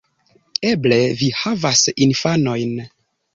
Eble vi havas infanojn?